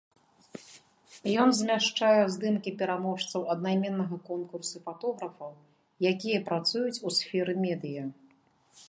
Ён змяшчае здымкі пераможцаў аднайменнага конкурсу фатографаў, якія працуюць у сферы медыя.